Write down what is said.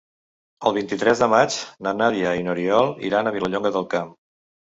El vint-i-tres de maig na Nàdia i n'Oriol iran a Vilallonga del Camp.